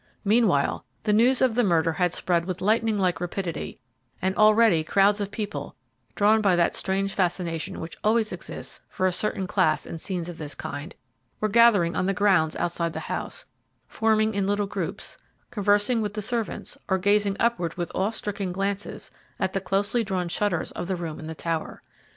Meanwhile, the news of the murder had spread with lightning like rapidity, and already crowds of people, drawn by that strange fascination which always exists for a certain class in scenes of this kind, were gathering on the grounds outside the house, forming in little groups, conversing with the servants, or gazing upward with awe stricken glances at the closely drawn shutters of the room in the tower.